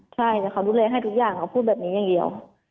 ใช่แต่เขาดูแลให้ทุกอย่างเขาพูดแบบนี้อย่างเดียว